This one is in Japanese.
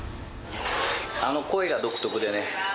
あの声が独特でね。